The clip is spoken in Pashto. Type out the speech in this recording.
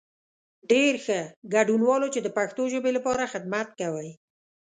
ډېر ښه، ګډنوالو چې د پښتو ژبې لپاره خدمت کوئ.